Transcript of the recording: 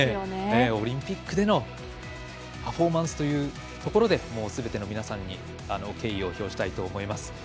オリンピックでのパフォーマンスというところですべての皆さんに敬意を表したいと思います。